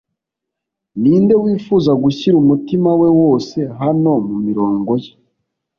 Ninde wifuza gushyira umutima we wose hano mumirongo ye